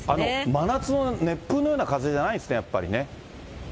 真夏の熱風のような風じゃないですね、やっぱりね。